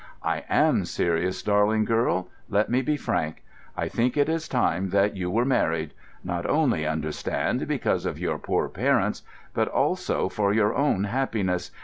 "I am serious, darling girl. Let me be frank. I think it is time that you were married—not only, understand, because of your poor parents, but also for your own happiness.